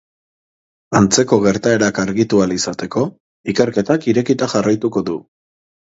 Antzeko gertaerak argitu ahal izateko, ikerketak irekita jarraituko du.